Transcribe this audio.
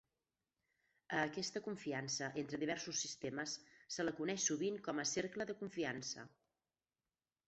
A aquesta confiança entre diversos sistemes se la coneix sovint com a "cercle de confiança".